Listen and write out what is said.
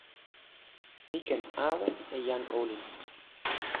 mi ken awen e jan olin mi.